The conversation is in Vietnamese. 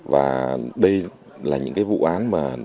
và đây là những vụ án